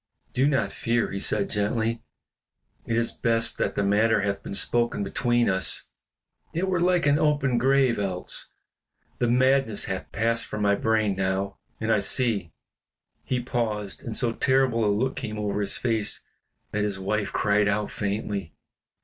"Do not fear," he said, gently, "it is best that the matter hath been spoken between us; it were like an open grave else. The madness hath passed from my brain now, and I see " He paused, and so terrible a look came over his face that his wife cried out faintly.